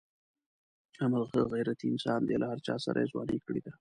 احمد ښه غیرتی انسان دی. له هر چاسره یې ځواني کړې ده.